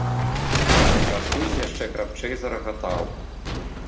Кастусь яшчэ крапчэй зарагатаў.